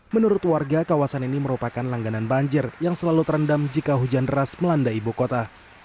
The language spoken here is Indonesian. menurut warga kawasan ini merupakan langganan banjir yang selalu terendam jika hujan deras melanda ibu kota